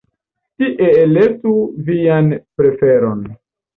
Tie elektu vian preferon.